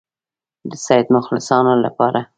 د سید مخلصانو لپاره.